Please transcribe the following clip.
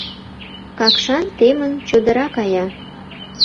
Какшан темын, чодыра кая.